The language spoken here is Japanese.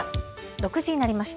６時になりました。